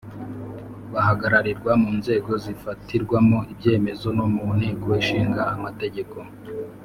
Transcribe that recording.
bahagararirwa mu nzego zifatirwamo ibyemezo no mu nteko ishinga amategeko.